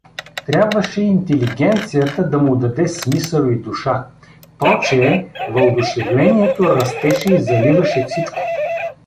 Трябваше интелигенцията да му даде смисъл и душа… Прочее, въодушевлението растеше и заливаше всичко.